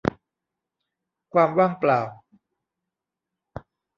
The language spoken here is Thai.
ความว่างเปล่า